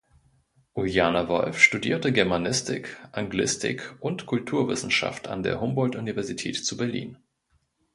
Uljana Wolf studierte Germanistik, Anglistik und Kulturwissenschaft an der Humboldt-Universität zu Berlin.